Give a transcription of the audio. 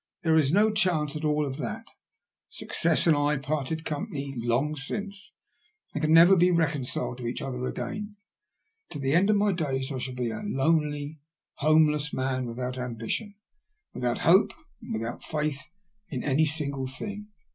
There is no chance at all of that. Success and I parted company long since, and can never be reconciled to each other again. To the end of my days I shall be a lonely, homeless man, without ambition, without hope, and without faith in any single thing.